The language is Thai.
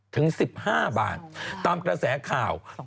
ถึง๑๕บาทตามกระแสข่าว